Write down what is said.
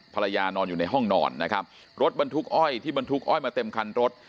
ภรรยานอนอยู่ในห้องนอนนะครับรถบรรทุกอ้อยที่บรรทุกอ้อยมาเต็มคันรถ